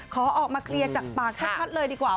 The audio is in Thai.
ขอออกมาเคลียร์จากปากชัดเลยดีกว่า